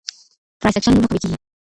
فرایس اکشن نور هم قوي کيږي.